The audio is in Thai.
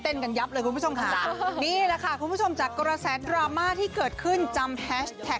กันยับเลยคุณผู้ชมค่ะนี่แหละค่ะคุณผู้ชมจากกระแสดราม่าที่เกิดขึ้นจำแฮชแท็ก